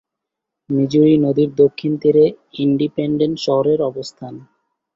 মিজুরি নদীর দক্ষিণ তীরে ইন্ডিপেন্ডেন্স শহরের অবস্থান।